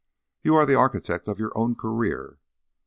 You are the architect of your own career."